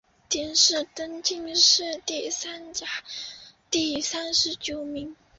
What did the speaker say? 殿试登进士第三甲第三十九名。